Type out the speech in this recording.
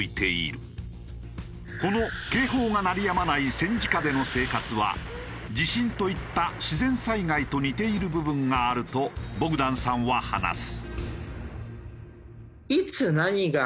この警報が鳴りやまない戦時下での生活は地震といった自然災害と似ている部分があるとボグダンさんは話す。